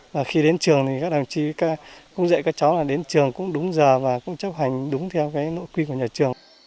và khi đến trường thì các đồng chí cũng dạy các cháu là đến trường cũng đúng giờ và cũng chấp hành đúng theo cái nội quy của nhà trường